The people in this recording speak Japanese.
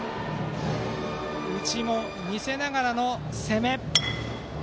内も見せながらの攻め。